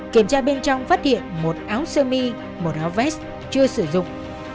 kiểm tra bên trong phát hiện một áo sơ mi một áo vest chưa sử dụng